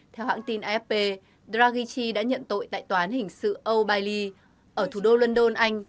theo hãng tin afp draghi đã nhận tội tại toán hình sự old bailey ở thủ đô london anh